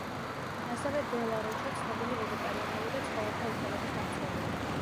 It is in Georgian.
ასევე დე ლა როჩა ცნობილი ვეგეტერიანელი და ცხოველთა უფლებების დამცველია.